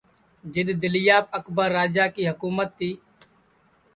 جِدؔ دِلیاپ اکبر راجا کی حکُمت تی